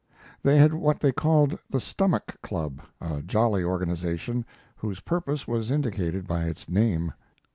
They had what they called the Stomach Club, a jolly organization, whose purpose was indicated by its name.